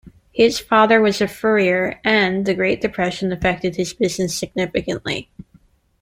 His father was a furrier, and the Great Depression affected his business significantly.